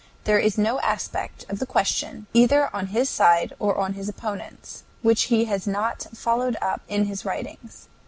There is no aspect of the question, either on his side or on his opponents', which he has not followed up in his writings.